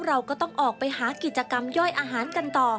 เราก็ต้องออกไปหากิจกรรมย่อยอาหารกันต่อ